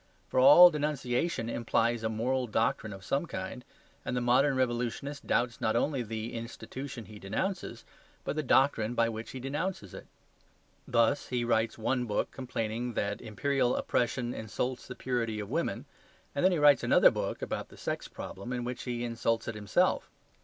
For all denunciation implies a moral doctrine of some kind; and the modern revolutionist doubts not only the institution he denounces, but the doctrine by which he denounces it. Thus he writes one book complaining that imperial oppression insults the purity of women, and then he writes another book (about the sex problem) in which he insults it himself.